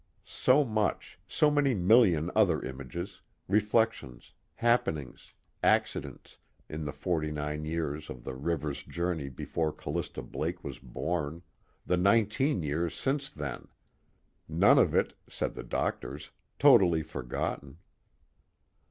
So much, so many million other images, reflections, happenings, accidents, in the forty nine years of the river's journey before Callista Blake was born, the nineteen years since then! None of it (said the doctors) totally forgotten.